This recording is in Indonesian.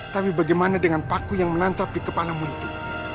tapi bagaimana dengan paku yang menancap di kepalamu itu